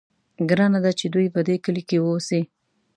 ګرانه ده چې دوی په دې کلي کې واوسي.